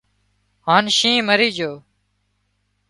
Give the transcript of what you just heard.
هانَ شينهن مرِي جھو